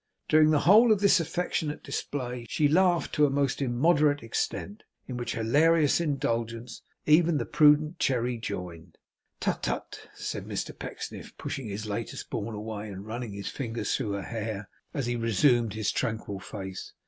During the whole of this affectionate display she laughed to a most immoderate extent: in which hilarious indulgence even the prudent Cherry joined. 'Tut, tut,' said Mr Pecksniff, pushing his latest born away and running his fingers through his hair, as he resumed his tranquil face.